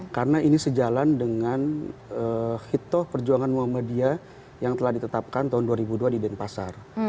karena ini sejalan dengan hitoh perjuangan muhammadiyah yang telah ditetapkan tahun dua ribu dua di denpasar